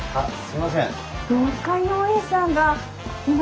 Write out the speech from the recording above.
すいません。